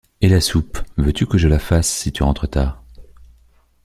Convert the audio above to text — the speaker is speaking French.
Et la soupe, veux-tu que je la fasse, si tu rentres tard?